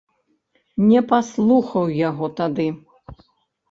Не паслухаў яго тады.